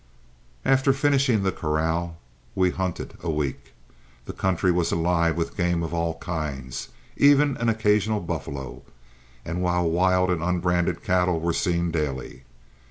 After finishing the corral we hunted a week. The country was alive with game of all kinds, even an occasional buffalo, while wild and unbranded cattle were seen daily.